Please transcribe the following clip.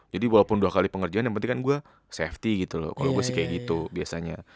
walaupun dua kali pengerjaan yang penting kan gue safety gitu loh kalau gue sih kayak gitu biasanya